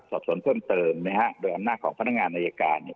สอบสวนเพิ่มเติมนะฮะโดยอำนาจของพนักงานอายการเนี่ย